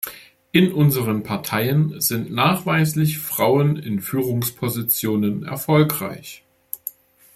In unseren Parteien sind nachweislich Frauen in Führungspositionen erfolgreich.